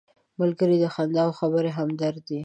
ملګری د خندا او خبرې همدرد دی